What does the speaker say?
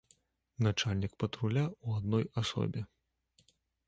Начальнік патруля у адной асобе.